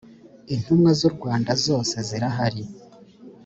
intumwa z’ u rwanda zose zirahari.